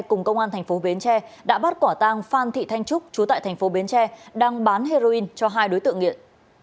cùng công an tp bến tre đã bắt quả tang phan thị thanh trúc trú tại tp bến tre đang bán heroin cho hai đối tượng nghiện